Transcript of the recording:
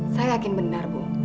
saya yakin benar bu